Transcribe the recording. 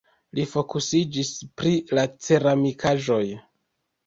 Li fokusiĝis pri la ceramikaĵoj.